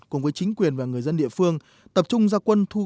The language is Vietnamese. cùng với chính quyền và người dân địa phương tập trung ra quân thu gọi